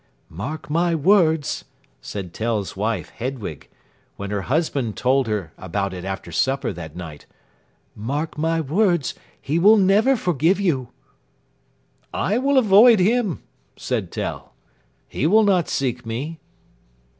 "Mark my words," said Tell's wife, Hedwig, when her husband told her about it after supper that night "mark my words, he will never forgive you." "I will avoid him," said Tell. "He will not seek me."